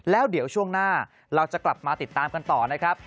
แล้วเดี๋ยวช่วงหน้าเราจะกลับมาติดตามกันต่อนะครับ